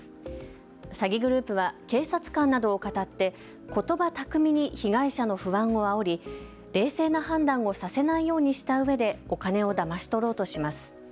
詐欺グループは警察官などをかたってことば巧みに被害者の不安をあおり、冷静な判断をさせないようにしたうえでお金をだまし取ろうとします。